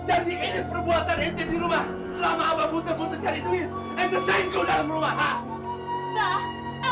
aku mau bekerja